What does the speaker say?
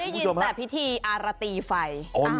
ได้ยินแต่พิธีอารตีไฟ